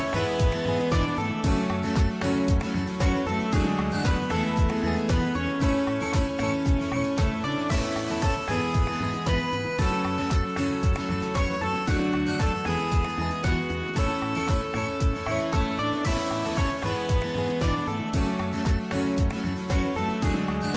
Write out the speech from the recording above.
โปรดติดตามตอนต่อไป